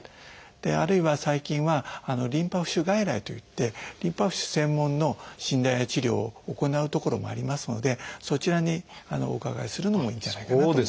あるいは最近はリンパ浮腫外来といってリンパ浮腫専門の診断や治療を行う所もありますのでそちらにお伺いするのもいいんじゃないかなと思います。